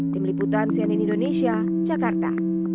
tim liputan cnn indonesia jakarta